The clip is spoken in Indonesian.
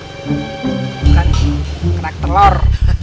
kan kelak telor